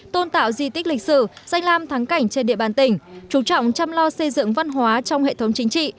tôn tạo di tích lịch sử danh lam thắng cảnh trên địa bàn tỉnh chú trọng chăm lo xây dựng văn hóa trong hệ thống chính trị